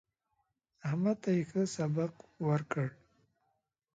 احمد ته يې ښه سبق ورکړ.